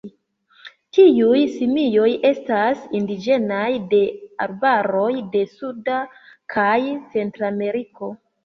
Tiuj simioj estas indiĝenaj de arbaroj de Suda kaj Centrameriko.